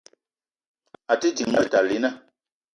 A te ding Metalina